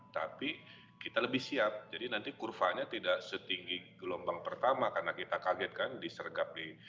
tapi kita lebih siap jadi nanti kurvanya tidak setinggi gelombang pertama karena kita kaget kan disergap di